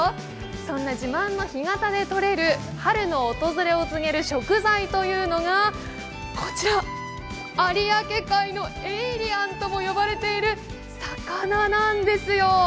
そんな自慢の干潟でとれる春の訪れを告げる食材というのがこちら有明海のエイリアンとも呼ばれている魚なんですよ。